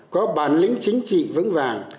có bản lĩnh chính trị vững vàng